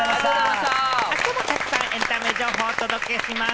あしたもたくさんエンタメ情報をお届けします。